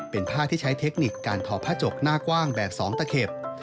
เป็นผ้าที่ใช้เทคนิคการทอผ้าจกหน้ากว้างแบบ๒ตะเข็บ